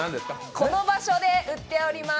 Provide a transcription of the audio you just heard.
この場所で売っております。